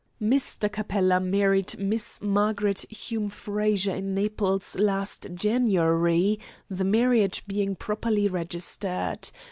"Mr. Capella married Miss Margaret Hume Frazer in Naples last January, the marriage being properly registered.